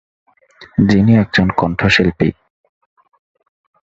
যিনি একজন কণ্ঠশিল্পী।